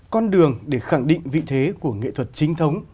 con đường để khẳng định vị thế của nghệ thuật chính thống